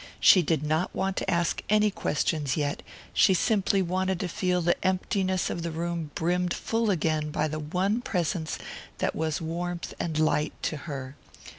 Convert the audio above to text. She did not want to ask any questions yet: she simply wanted to feel the emptiness of the room brimmed full again by the one presence that was warmth and light to her.